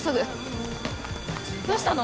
どうしたの？